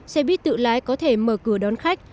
xe buýt tự lái có thể mở cửa đón khách